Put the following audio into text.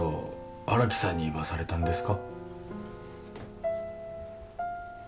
荒木さんに言わされたんですか？